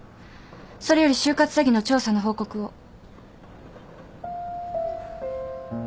それより就活詐欺の調査の報告を。